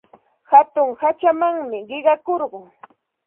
Hatun hachamanmi qiqakurqun.